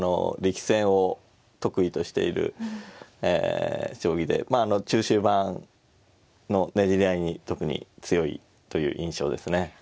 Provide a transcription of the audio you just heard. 力戦を得意としている将棋でまあ中終盤のねじり合いに特に強いという印象ですね。